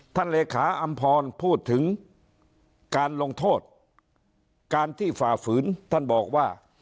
เลขาอำพรพูดถึงการลงโทษการที่ฝ่าฝืนท่านบอกว่า